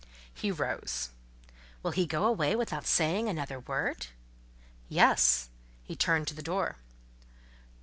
He rose. "Will he go away without saying another word?" Yes; he turned to the door.